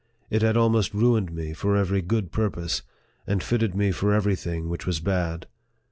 It had almost ruined me for every good purpose, and fitted me for every thing which was bad.